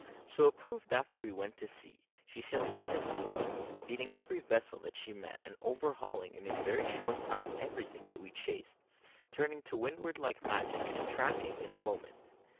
So it proved after we went to sea; she sailed wonderfully well, beating every vessel that she met, and overhauling in a very short time everything that we chased; turning to windward like magic, and tacking in a moment.